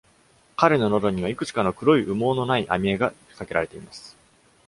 彼の喉にはいくつかの黒い羽毛のない編み枝が掛けられています。